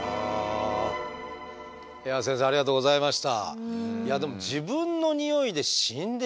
いや先生ありがとうございました。